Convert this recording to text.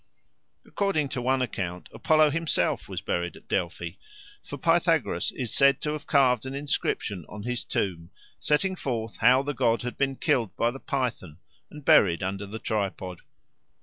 According to one account, Apollo himself was buried at Delphi; for Pythagoras is said to have carved an inscription on his tomb, setting forth how the god had been killed by the python and buried under the tripod.